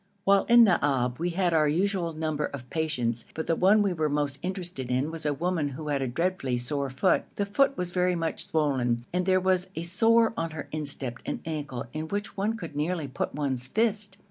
While in Naab we had our usual number of patients, but the one we were most interested in was a woman who had a dreadfully sore foot. The foot was very much swollen, and there was a sore on her instep and ankle in which one could nearly put one's fist.